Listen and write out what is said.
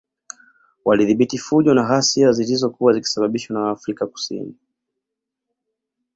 Walidhibiti fujo na ghasia zilozokuwa zikisababishwa na waafrika Kusin